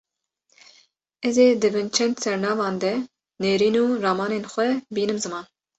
Ez ê di bin çend sernavan de nêrîn û ramanên xwe bînim ziman